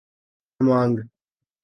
ہمانگ